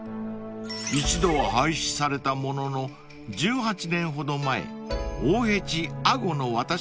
［一度は廃止されたものの１８年ほど前大辺路安居の渡し